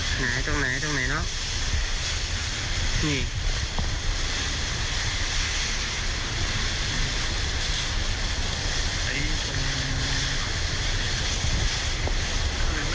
ไหนตรงไหนตรงไหนเนาะ